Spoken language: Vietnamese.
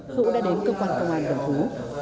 hữu đã đến cơ quan công an đồng phú